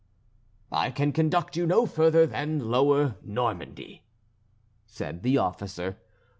"I can conduct you no further than lower Normandy," said the officer.